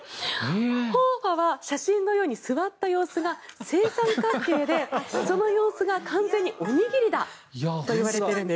和花は写真のように座った様子が正三角形でその様子が完全におにぎりだといわれているんです。